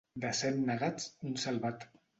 De cent negats, un salvat.